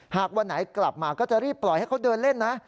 หากวันไหนกลับมาก็จะรีบปล่อยให้เขาเดินเล่นนะ